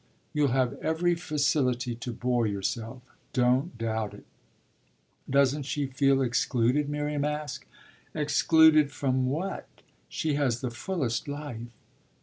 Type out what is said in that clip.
"You'll have every facility to bore yourself. Don't doubt it." "And doesn't she feel excluded?" Miriam asked. "Excluded from what? She has the fullest life."